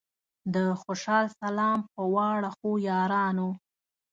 د خوشال سلام پۀ واړه ښو یارانو